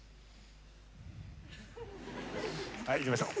はいいきましょう。